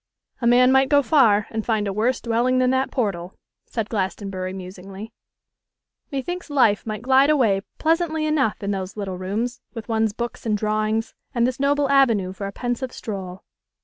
'A man might go far, and find a worse dwelling than that portal,' said Glastonbury, musingly. 'Me thinks life might glide away pleasantly enough in those little rooms, with one's books and drawings, and this noble avenue for a pensive stroll.